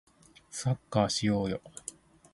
サッカーしようよ